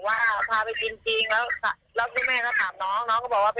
แต่ว่าก็ถามน้องแหละว่าคุณครูได้ทำอะไรเหรอไหมได้มีอะไรซ่วนเกินไหมอะไรอย่างนี้เขาบอกไม่มี